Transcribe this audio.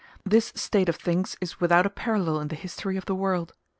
This state of things is without a parallel in the history of the world.